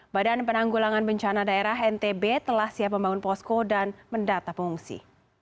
badan penanggulangan bencana daerah ntb telah siap membangun posko dan mendata pengungsi